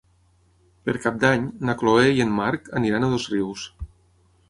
Per Cap d'Any na Chloé i en Marc aniran a Dosrius.